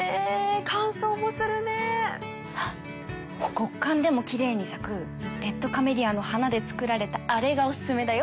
極寒でもキレイに咲くレッドカメリアの花で作られたあれがおすすめだよ。